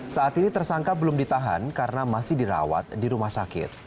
saat ini tersangka belum ditahan karena masih dirawat di rumah sakit